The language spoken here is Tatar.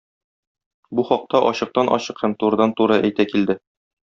Бу хакта ачыктан-ачык һәм турыдан-туры әйтә килде.